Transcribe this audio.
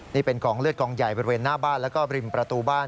นี่เป็นกองเลือดกองใหญ่บริเวณหน้าบ้านแล้วก็ริมประตูบ้าน